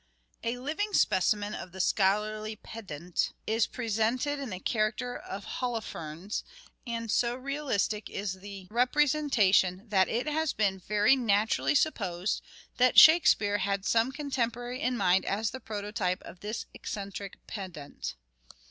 A living specimen of the scholarly pedant is presented in the character of Holofernes, and so realistic is the representation that it has been very naturally supposed that Shakespeare had some contemporary in mind as the prototype of this eccentric pedant.